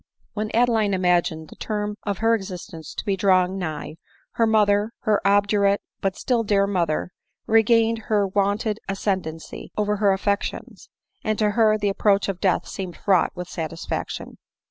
When Adeline imagined the term of her existence to be drawing nigh, her mother, her obdurate but still dear mother, regained her wonted ascendancy over her affections ; and to her the approach of death seemed fraught with satisfaction.